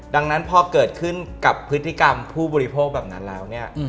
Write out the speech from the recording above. ดังนั้นพอเกิดขึ้นกับพฤติกรรมผู้บริโภคแบบนั้นแล้วเนี่ย